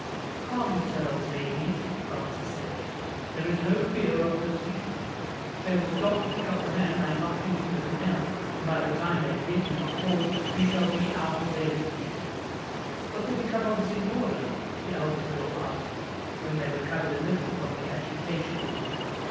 "Calm yourselves, ladies," Francis said. "There is no fear of pursuit. They will stop to pick up the man I knocked into the canal, and by the time they get him on board we shall be out of their reach." "What will become of the signora?" the eldest girl asked, when they recovered a little from their agitation.